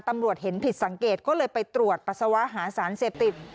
ตำรวจเห็นผิดสังเกตก็เลยไปตรวจปัสสาวะหาสารเสพติด